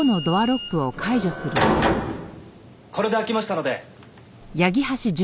これで開きましたので。